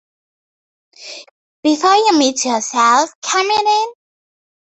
Before you meet yourself coming in!